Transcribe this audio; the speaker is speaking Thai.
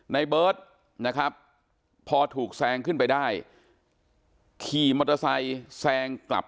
ในเบิร์ตนะครับพอถูกแซงขึ้นไปได้ขี่มอเตอร์ไซค์แซงกลับ